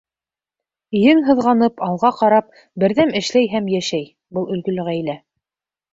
Ең һыҙғанып, алға ҡарап, берҙәм эшләй һәм йәшәй был өлгөлө ғаилә.